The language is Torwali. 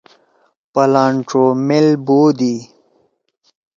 پلانڇو مئیل بودی۔